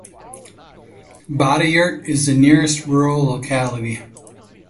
Batayurt is the nearest rural locality.